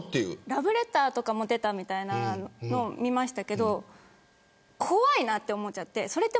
ラブレターも出たみたいなのを見ましたけど怖いなと思っちゃって。